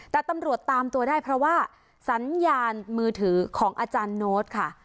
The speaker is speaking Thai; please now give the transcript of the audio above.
แต่ตำรวจตามตัวได้เพราะว่าสัญญาณมือถือของอาจารย์โน้ตค่ะ